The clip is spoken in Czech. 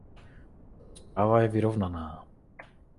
Tato zpráva je vyrovnaná.